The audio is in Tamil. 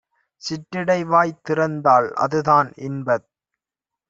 சிற்றிடை வாய்திறந் தாள்.அதுதான் - இன்பத்